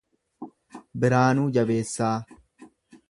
Biraanuu Jabeessaa